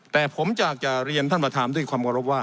แต่ผมจะเรียนท่านประธามด้วยความรับว่า